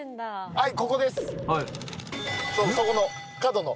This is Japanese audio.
はい。